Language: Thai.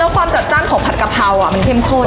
ความจัดจ้านของผัดกะเพรามันเข้มข้น